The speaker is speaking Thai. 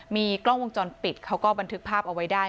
มีกล้องวงจรปิดเขาก็บันทึกภาพเอาไว้ได้